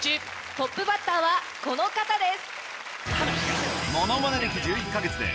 トップバッターはこの方です。